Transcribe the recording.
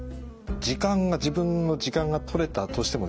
自分の時間が取れたとしてもですね